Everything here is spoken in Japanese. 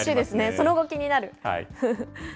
その後、気になる。